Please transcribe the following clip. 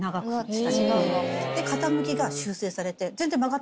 傾きが修正されて。